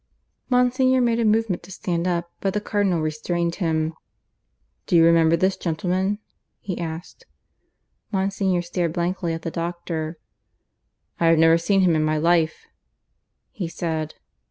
Monsignor made a movement to stand up, but the Cardinal restrained him. "Do you remember this gentleman?" he asked. Monsignor stared blankly at the doctor. "I have never seen him in my life," he said.